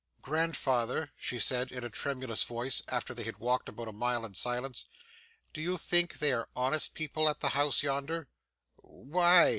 'Grandfather,' she said in a tremulous voice, after they had walked about a mile in silence, 'do you think they are honest people at the house yonder?' 'Why?